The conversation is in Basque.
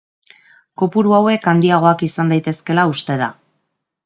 Kopuru hauek handiagoak izan daitezkeela uste da.